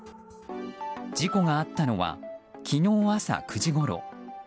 事故があったのは昨日朝９時ごろ。